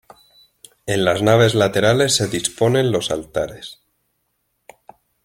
En las naves laterales se disponen los altares.